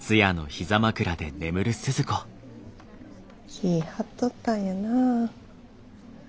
気ぃ張っとったんやな。